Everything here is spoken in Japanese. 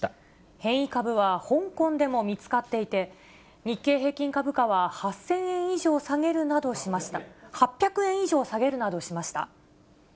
変異株は香港でも見つかっていて、日経平均株価は８００円以上下げるなどしました。